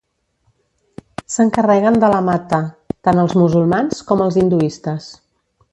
S'encarreguen de la "matha" tant els musulmans com els hinduistes.